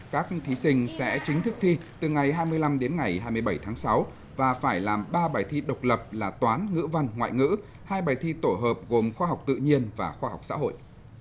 các thí sinh sẽ chính thức thi từ ngày hai mươi năm đến ngày hai mươi bảy tháng sáu và phải làm ba bài thi độc lập là toán ngữ văn ngoại ngữ hai bài thi tổ hợp gồm khoa học tự nhiên và khoa học xã hội